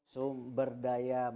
so berdaya manusia